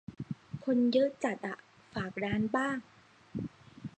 คนเยอะจัด อ่ะ "ฝากร้าน" บ้าง